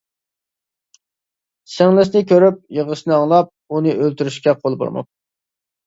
سىڭلىسىنى كۆرۈپ، يىغىسىنى ئاڭلاپ، ئۇنى ئۆلتۈرۈشكە قولى بارماپتۇ.